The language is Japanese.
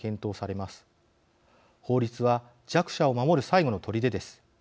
法律は弱者を守る最後のとりでです。